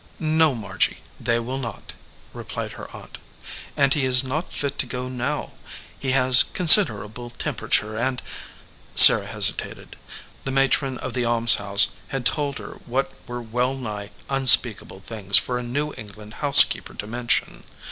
"No, Margy, they will not," replied her aunt. "And he is not fit to go now. He has considerable temperature, and " Sarah hesitated. The ma tron of the almshouse had told her what were well nigh unspeakable things for a New England house keeper to mention.